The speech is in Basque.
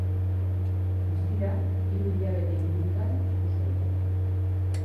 Guztira hiru hilabete ingurutan ikus daiteke.